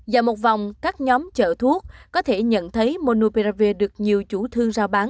dạo một vòng các nhóm chợ thuốc có thể nhận thấy monopiravir được nhiều chủ thương rao bán